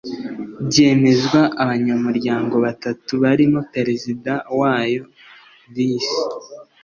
Byemezwa abanyamuryango batatu barimo Perezida wayo Visi